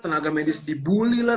tenaga medis di bully lah